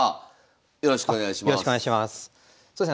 よろしくお願いします。